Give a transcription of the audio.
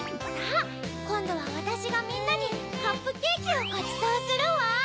さぁこんどはわたしがみんなにカップケーキをごちそうするわ。